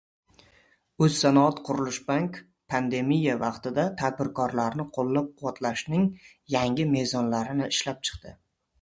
O‘zsanoatqurilishbank pandemiya vaqtida tadbirkorlarni qo‘llab-quvvatlashning yangi mezonlarini ishlab chiqdi